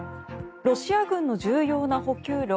ロシア軍の重要な補給路